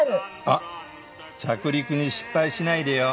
あっ着陸に失敗しないでよ。